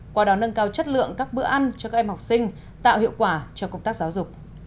qua đó nâng cao chất lượng các bữa ăn cho các em học sinh tạo hiệu quả cho công tác giáo dục